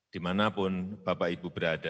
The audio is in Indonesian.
dimanapun bapak ibu berada